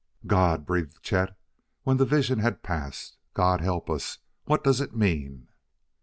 "God!" breathed Chet when the vision had passed. "God help us! What does it mean?"